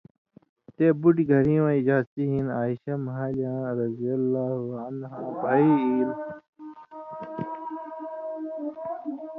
تے بُٹیۡ گھریں وَیں اجازتی ہِن عائشہ مھالیۡیاں رض بہی ایلوۡ۔